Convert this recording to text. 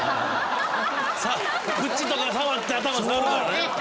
口とか触って頭触るからね。